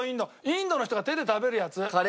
インドの人が手で食べるやつ。